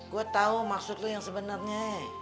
gua tau maksud lu yang sebenarnya